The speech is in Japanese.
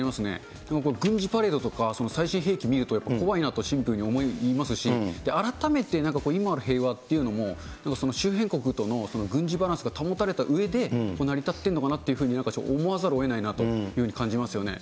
でも、軍事パレードとか、最新兵器見るとやはり怖いなとシンプルに思いますし、改めてなんか今ある平和っていうのも、周辺国との軍事バランスが保たれたうえで成り立っているのかなと思わざるをえないと感じますよね。